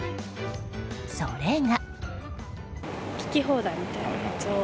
それが。